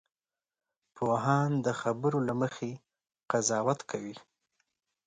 پوهان د خبرو له مخې قضاوت کوي